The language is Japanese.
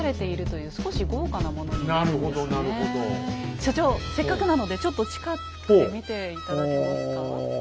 所長せっかくなのでちょっと近くで見て頂けますか？